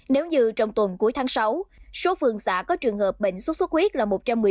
nếu như trong tuần cuối tháng sáu số phường xã có trường hợp bệnh xuất xuất huyết là một trăm một mươi ba